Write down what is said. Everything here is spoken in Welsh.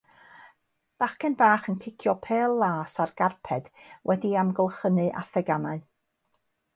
Bachgen bach yn cicio pêl las ar garped wedi'i amgylchynu â theganau.